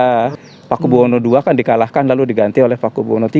hamengkubwono ii kan dikalahkan lalu diganti oleh hamengkubwono iii